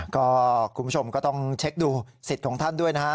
ก็คุณผู้ชมก็ต้องเช็คดูสิทธิ์ของท่านด้วยนะฮะ